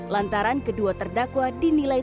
lantaran kedua terdakwa dinilai